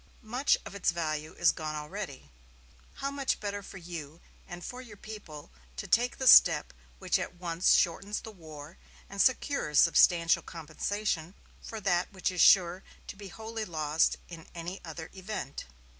Much of its value is gone already. How much better for you and for your people to take the step which at once shortens the war and secures substantial compensation for that which is sure to be wholly lost in any other event.